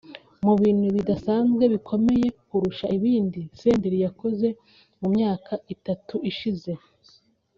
Mu bintu bidasanzwe bikomeye kurusha ibindi Senderi yakoze mu myaka itatu ishize